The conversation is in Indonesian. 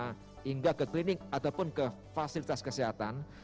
sehingga ke klinik ataupun ke fasilitas kesehatan